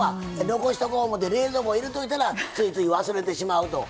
残しとこ思うて冷蔵庫入れといたらついつい忘れてしまうと。